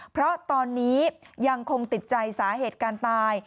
เพราะตอนนี้ยังคงติดใจสาเหตุการตาย